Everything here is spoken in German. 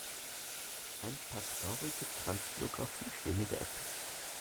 Ein paar traurige Trans-Biografien stehen in der Ecke.